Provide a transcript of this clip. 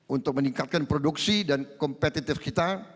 untuk meningkatkan produksi dan kompetitif kita